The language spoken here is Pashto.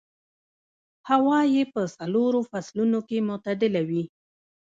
هوا يې په څلورو فصلونو کې معتدله وي.